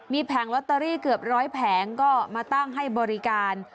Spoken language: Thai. มีแผงลอตเตอรี่เกือบร้อยแผงก็มาตั้งให้บริการ